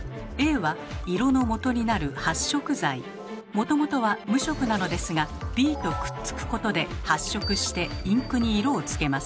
もともとは無色なのですがＢとくっつくことで発色してインクに色をつけます。